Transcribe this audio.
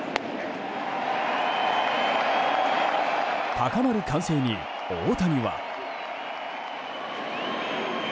高まる歓声に、大谷は。